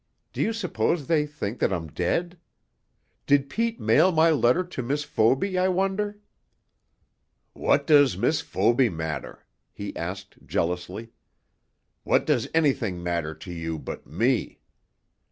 Do you suppose they think that I'm dead? Did Pete mail my letter to Miss Foby, I wonder?" "What does Miss Foby matter?" he asked jealously. "What does anything matter to you but me?